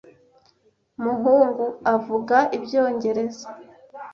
muhungu avuga ibyongereza.